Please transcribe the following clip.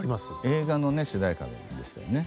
映画のね主題歌でしたよね